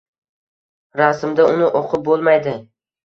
rasmda uni o‘qib bo‘lmaydi.